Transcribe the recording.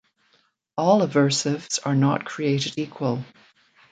All aversives are not created equal.